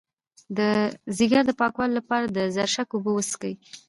د ځیګر د پاکوالي لپاره د زرشک اوبه وڅښئ